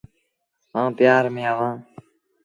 آئوٚݩ پيآر ميݩ اهآݩ ۔